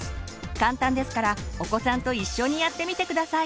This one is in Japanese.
簡単ですからお子さんと一緒にやってみて下さい。